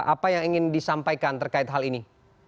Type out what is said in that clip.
apa yang ingin disampaikan terkait hal ini